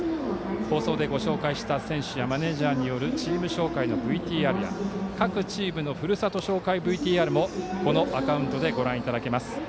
放送でご紹介した選手やマネージャーによるチーム紹介のＶＴＲや各チームのふるさと紹介ＶＴＲもこのアカウントでご覧いただけます。